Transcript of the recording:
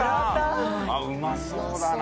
うまそうだな。